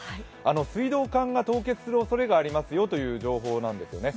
水道管が凍結するおそれがありますよという情報なんです。